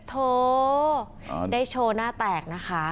โถได้โชว์หน้าแตกนะคะ